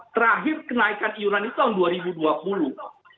terakhir kenaikan iuran itu tahun dua ribu dua puluh